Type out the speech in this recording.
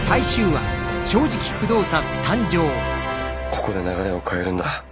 ここで流れを変えるんだ。